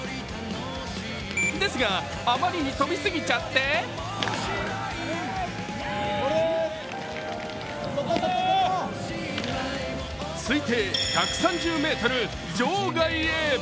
ですが、あまりに飛び過ぎちゃって推定１３０ｍ、場外へ。